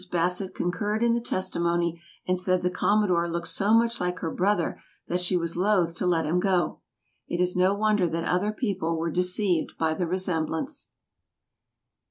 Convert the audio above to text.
Bassett concurred in the testimony and said the Commodore looked so much like her brother that she was loth to let him go. It is no wonder that other people were deceived by the resemblance.